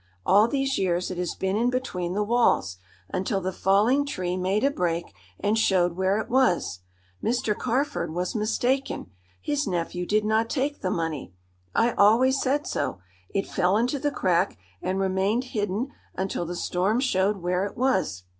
All these years it has been in between the walls, until the falling tree made a break and showed where it was. Mr. Carford was mistaken. His nephew did not take the money. I always said so. It fell into the crack, and remained hidden until the storm showed where it was."